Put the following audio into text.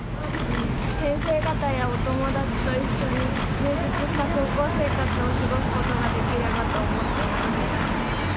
先生方やお友達と一緒に、充実した高校生活を過ごすことができればと思っています。